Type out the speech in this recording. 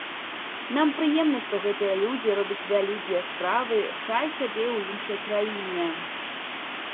Нам прыемна, што гэтыя людзі робяць вялікія справы, хай сабе і ў іншай краіне.